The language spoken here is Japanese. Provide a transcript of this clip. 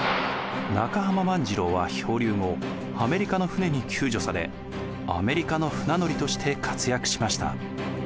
中浜万次郎は漂流後アメリカの船に救助されアメリカの船乗りとして活躍しました。